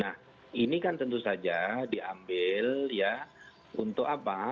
nah ini kan tentu saja diambil ya untuk apa